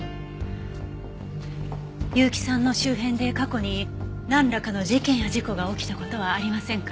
結城さんの周辺で過去になんらかの事件や事故が起きた事はありませんか？